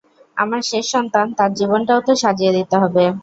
আমার শেষ সন্তান, তার জীবনটাও তো সাজিয়ে দিতে হবে।